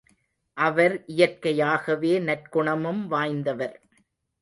அவர் இயற்கையாகவே நற்குணமும் வாய்ந்தவர்.